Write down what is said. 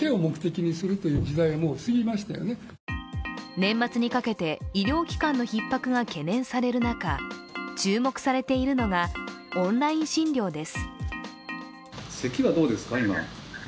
年末にかけて、医療機関のひっ迫が懸念されている中、注目されているのはオンライン診療です。